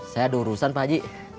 saya ada urusan pak haji